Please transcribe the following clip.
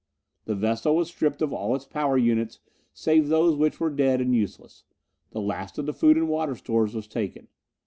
The vessel was stripped of all its power units save those which were dead and useless. The last of the food and water stores was taken.